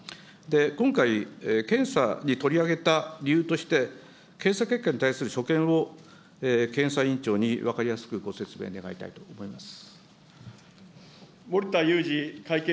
今回、検査に取り上げた理由として、検査結果に対する所見を、検査院長に分かりやすくご説明願いたいと思います。